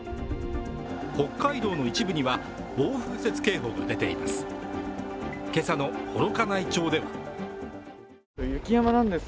北海道の一部には暴風雪警報も出ています。